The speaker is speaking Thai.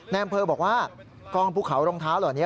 อำเภอบอกว่ากองภูเขารองเท้าเหล่านี้